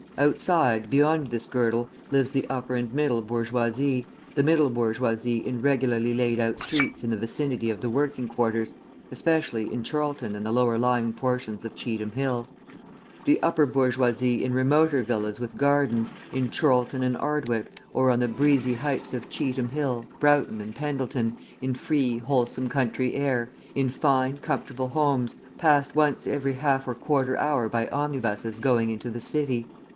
Outside, beyond this girdle, lives the upper and middle bourgeoisie, the middle bourgeoisie in regularly laid out streets in the vicinity of the working quarters, especially in Chorlton and the lower lying portions of Cheetham Hill; the upper bourgeoisie in remoter villas with gardens in Chorlton and Ardwick, or on the breezy heights of Cheetham Hill, Broughton, and Pendleton, in free, wholesome country air, in fine, comfortable homes, passed once every half or quarter hour by omnibuses going into the city.